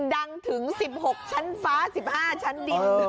ดังถึงสิบหกชั้นฟ้าสิบห้าชั้นดิน